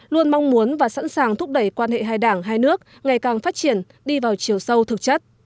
luôn mong muốn và sẵn sàng thúc đẩy quan hệ hai đảng hai nước ngày càng phát triển đi vào chiều sâu thực chất